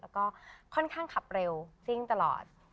แล้วก็ค่อนข้างขับเร็วซิ่งตลอด